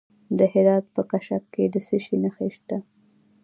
د هرات په کشک کې د څه شي نښې دي؟